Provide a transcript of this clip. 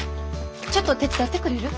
ちょっと手伝ってくれる？